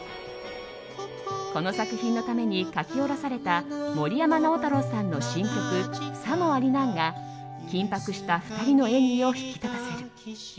この作品のために書き下ろされた森山直太朗さんの新曲「さもありなん」が緊迫した２人の演技を引き立たせる。